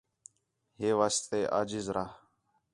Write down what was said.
ہے واسطے عاجز رہ